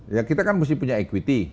ya kita kan mesti punya equity